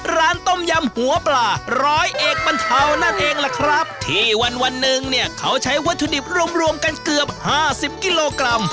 ร้านต้มยำหัวปลาร้อยเอกบรรเทานั่นเองล่ะครับที่วันวันหนึ่งเนี่ยเขาใช้วัตถุดิบรวมรวมกันเกือบห้าสิบกิโลกรัม